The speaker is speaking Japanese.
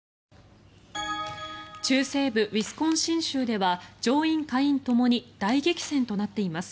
中西部ウィスコンシン州では上院・下院ともに大激戦となっています。